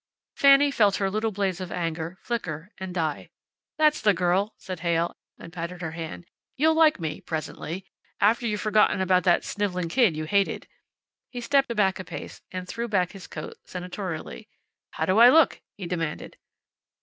Fanny felt her little blaze of anger flicker and die. "That's the girl," said Heyl, and patted her hand. "You'll like me presently. After you've forgotten about that sniveling kid you hated." He stepped back a pace and threw back his coat senatorially. "How do I look?" he demanded.